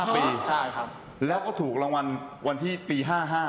ปีแล้วก็ถูกรางวัลวันที่ปี๕๕